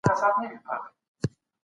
رب دي را ولـه پـــه خــيـر